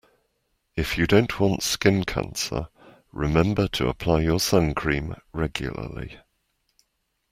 If you don't want skin cancer, remember to apply your suncream regularly